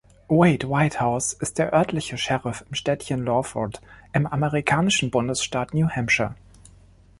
Wade Whitehouse ist der örtliche Sheriff im Städtchen Lawford im amerikanischen Bundesstaat New Hampshire.